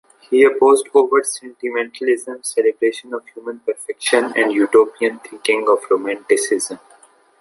He opposed overt sentimentalism, celebration of human perfection and utopian thinking of romanticism.